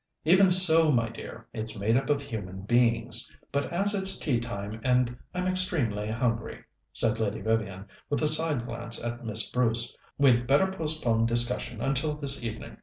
"Even so, my dear, it's made up of human beings. But as it's tea time and I'm extremely hungry," said Lady Vivian, with a side glance at Miss Bruce, "we'd better postpone discussion until this evening.